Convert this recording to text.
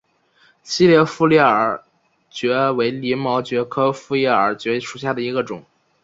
细裂复叶耳蕨为鳞毛蕨科复叶耳蕨属下的一个种。